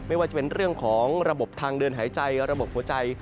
ไม่ว่าจะเป็นเรื่องของระบบทางเดินหายใจระบบหัวใจ